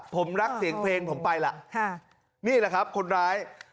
ผมรักเสียงเพลงผมไปล่ะนี่แหละครับคนร้าย